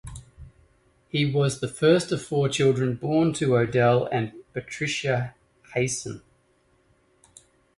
He was the first of four children born to Odel and Patricia Hiaasen.